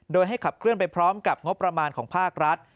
โดยให้ขับเคลื่อนไปพร้อมกับงบประมาณของภาครัฐ